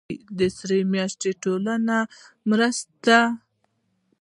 د سرې میاشتې ټولنه مرستې کوي